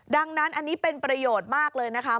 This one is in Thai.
ดังนั้นอันนี้เป็นประโยชน์มากเลยนะคะ